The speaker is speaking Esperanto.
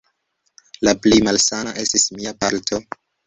La plej malsana estis mia palto.